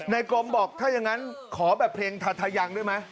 ในกรมบอกถ้ายังไงขอแบบเพลงธัทยังด้วยไหม